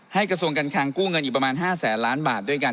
กระทรวงการคังกู้เงินอีกประมาณ๕แสนล้านบาทด้วยกัน